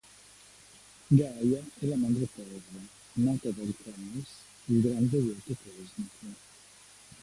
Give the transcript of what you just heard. Gaia è la Madre Terra, nata dal Caos, il grande vuoto cosmico.